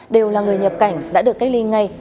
đều là người nhập cảnh đã được cách ly ngay